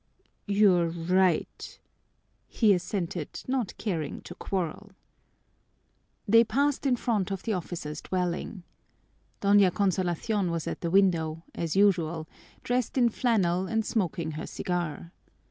"You're right," he assented, not caring to quarrel. They passed in front of the officer's dwelling. Doña Consolacion was at the window, as usual, dressed in flannel and smoking her cigar.